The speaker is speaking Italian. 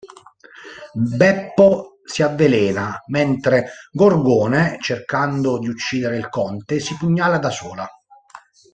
Beppo si avvelena, mentre Gorgone, cercando di uccidere il conte, si pugnala da sola.